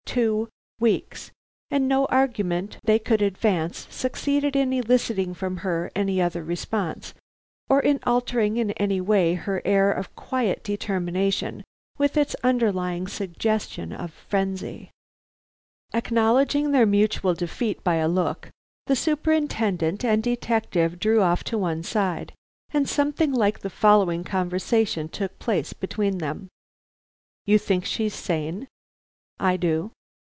Two weeks!" And no argument they could advance succeeded in eliciting from her any other response or in altering in any way her air of quiet determination with its underlying suggestion of frenzy. Acknowledging their mutual defeat by a look, the Superintendent and detective drew off to one side, and something like the following conversation took place between them. "You think she's sane?" "I do."